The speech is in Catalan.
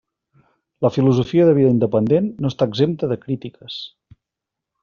La filosofia de vida independent no està exempta de crítiques.